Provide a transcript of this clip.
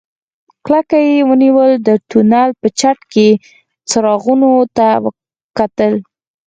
کلکه يې ونيوله د تونل په چت کې څراغونو ته کتل.